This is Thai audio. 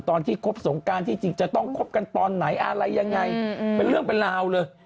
ตอนที่ครบสงการที่จริงจะต้องคบกันตอนไหนอะไรยังไงเป็นเรื่องเป็นราวเลย